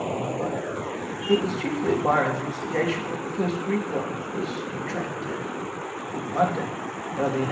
It was chiefly at Byron's instigation that the first Greek loan was contracted, in London, early in 1824.